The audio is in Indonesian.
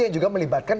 yang juga melibatkan